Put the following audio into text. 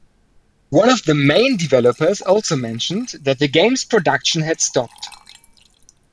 One of the main developers also mentioned that the game's production had stopped.